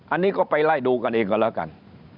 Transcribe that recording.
อันนี้ก็ไปไล่ดูกันเองก็แล้วกัน